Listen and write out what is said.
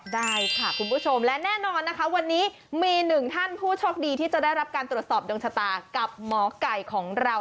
ได้ค่ะคุณผู้ชมและแน่นอนนะคะวันนี้มีหนึ่งท่านผู้โชคดีที่จะได้รับการตรวจสอบดวงชะตากับหมอไก่ของเรา